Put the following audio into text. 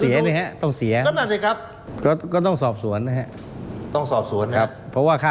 มีการที่จะพยายามติดศิลป์บ่นเจ้าพระงานนะครับ